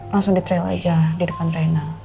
langsung di trail aja di depan trainer